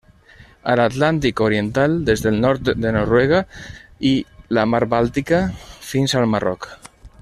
A l'Atlàntic oriental, des del nord de Noruega i la Mar Bàltica fins al Marroc.